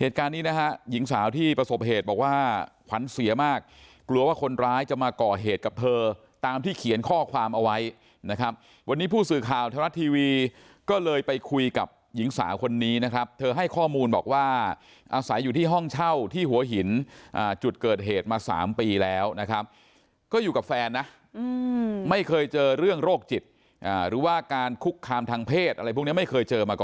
เหตุการณ์นี้นะฮะหญิงสาวที่ประสบเหตุบอกว่าขวัญเสียมากกลัวว่าคนร้ายจะมาก่อเหตุกับเธอตามที่เขียนข้อความเอาไว้นะครับวันนี้ผู้สื่อข่าวทรัฐทีวีก็เลยไปคุยกับหญิงสาวคนนี้นะครับเธอให้ข้อมูลบอกว่าอาศัยอยู่ที่ห้องเช่าที่หัวหินจุดเกิดเหตุมา๓ปีแล้วนะครับก็อยู่กับแฟนนะไม่เคยเจอเรื่องโรคจิตหรือว่าการคุกคามทางเพศอะไรพวกนี้ไม่เคยเจอมาก่อน